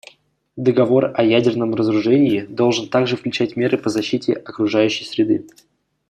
Договор о ядерном разоружении должен также включать меры по защите окружающей среды.